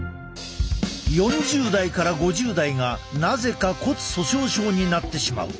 ４０代から５０代がなぜか骨粗しょう症になってしまう。